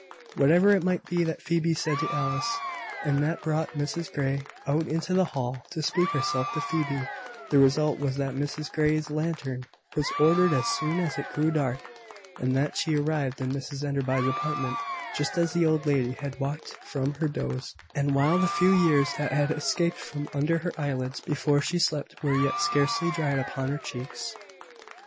Whatever it might be that Phoebe said to Alice, and that brought Mrs Grey out into the hall to speak herself to Phoebe, the result was that Mrs Grey's lantern was ordered as soon as it grew dark, and that she arrived in Mrs Enderby's apartment just as the old lady had waked from her doze, and while the few tears that had escaped from under her eyelids before she slept were yet scarcely dried upon her cheeks.